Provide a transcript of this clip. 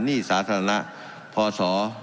หนี้สาธารณะพศ๒๕